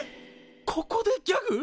ここでギャグ！？